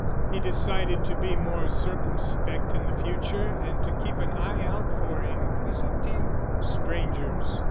He decided to be more circumspect in the future and to keep an eye out for inquisitive strangers.